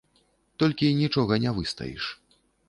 Толькі нічога не выстаіш.